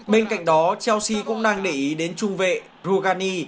bên cạnh đó chelsea cũng đang để ý đến trung vệ rougani